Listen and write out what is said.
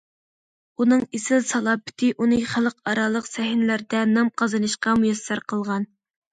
ئۇنىڭ ئېسىل سالاپىتى ئۇنى خەلقئارالىق سەھنىلەردە نام قازىنىشقا مۇيەسسەر قىلغان.